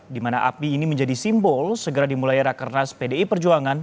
di mana api ini menjadi simbol segera dimulai rakernas pdi perjuangan